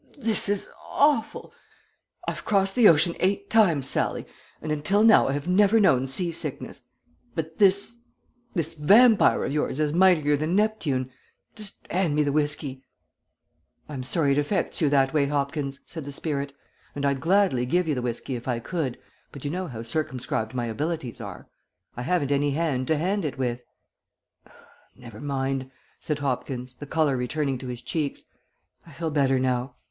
"This is awful. I've crossed the ocean eight times, Sallie, and until now I have never known sea sickness, but this this vampire of yours is mightier than Neptune; just hand me the whiskey." "I'm sorry it affects you that way, Hopkins," said the spirit, "and I'd gladly give you the whiskey if I could, but you know how circumscribed my abilities are. I haven't any hand to hand it with." "Never mind," said Hopkins, the colour returning to his cheeks, "I feel better now.